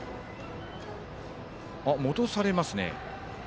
戻されますね。